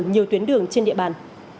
nhiều tuyến đường trên địa bàn